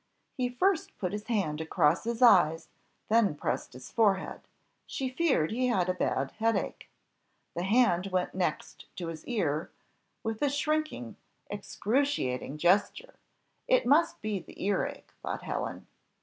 He first put his hand across his eyes, then pressed his forehead: she feared he had a bad headache. The hand went next to his ear, with a shrinking, excruciating gesture; it must be the earache thought Helen.